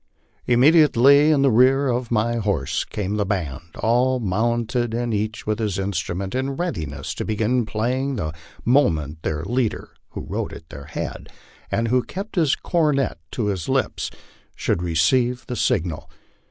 Immediately in rear of my horse came the band, all mounted, and each with his instrument in readiness to begin playing the moment their leader, who rode at their head, and who kept his cornet to his lips, should receive the signal.